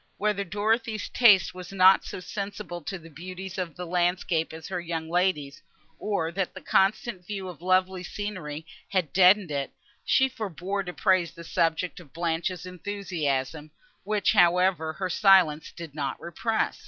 Whether Dorothée's taste was not so sensible to the beauties of landscape as her young lady's, or that the constant view of lovely scenery had deadened it, she forbore to praise the subject of Blanche's enthusiasm, which, however, her silence did not repress.